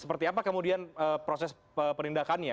seperti apa kemudian proses penindakannya